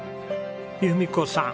裕美子さん